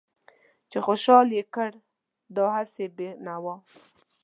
چې خوشحال يې کړ دا هسې بې نوا